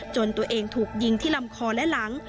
จนตัวเองถูกยิงที่ลำคอและหลัง